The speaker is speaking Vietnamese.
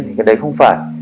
thì cái đấy không phải